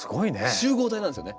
集合体なんですよね。